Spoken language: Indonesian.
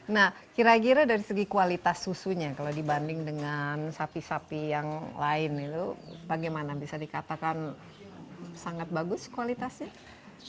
nah kira kira dari segi kualitas susunya kalau dibanding dengan sapi sapi yang lain itu bagaimana bisa dikatakan sangat bagus kualitasnya